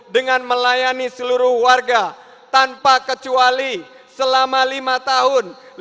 dengan melayani seluruh warga tanpa kecuali selama lima tahun